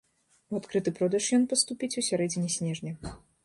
У адкрыты продаж ён паступіць у сярэдзіне снежня.